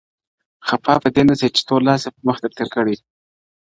خپه په دې نه سې چي تور لاس يې پر مخ در تېر کړ,